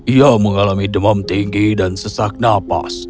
ia mengalami demam tinggi dan sesak nafas